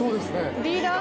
リーダー